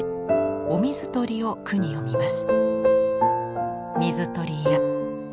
お水取りを句に詠みます。